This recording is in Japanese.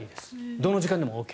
どの時間でもＯＫ。